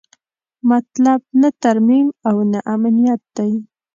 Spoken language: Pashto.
مطلب نه ترمیم او نه امنیت دی.